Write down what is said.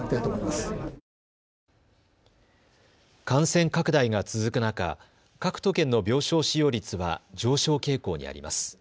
感染拡大が続く中、各都県の病床使用率は上昇傾向にあります。